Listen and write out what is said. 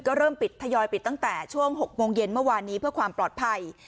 ก็เริ่มปิดทยอยปิดตั้งแต่ช่วง๖โมงเย็นเมื่อวานนี้เพื่อความปลอดภัย